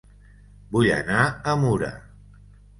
Vull anar a Mura